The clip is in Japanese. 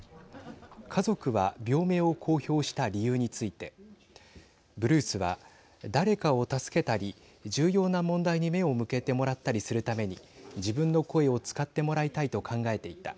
家族は病名を公表した理由についてブルースは誰かを助けたり重要な問題に目を向けてもらったりするために自分の声を使ってもらいたいと考えていた。